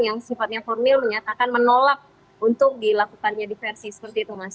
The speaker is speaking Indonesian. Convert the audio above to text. yang sifatnya formil menyatakan menolak untuk dilakukannya diversi seperti itu mas